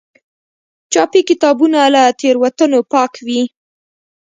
چاپي کتابونه له تېروتنو پاک وي.